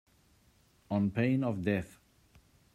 On pain of death.